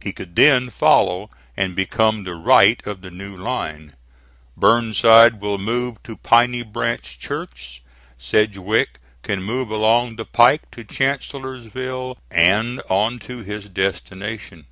He could then follow and become the right of the new line. Burnside will move to Piney Branch Church. Sedgwick can move along the pike to Chancellorsville and on to his destination.